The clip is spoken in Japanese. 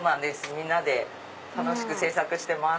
みんなで楽しく制作してます。